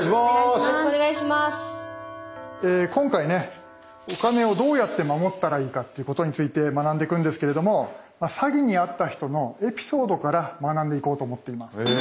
今回ねお金をどうやってまもったらいいかっていうことについて学んでいくんですけれども詐欺にあった人のエピソードから学んでいこうと思っています。